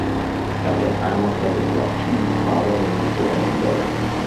At the time of the disruption his father removed to Edinburgh.